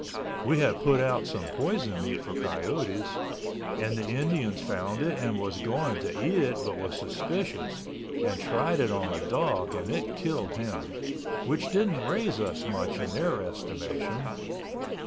We had put out some poisoned meat for coyotes and the Indians found it and was going to eat it but was suspicious and tried it on a dog and it killed him, which didn't raise us much in their estimation.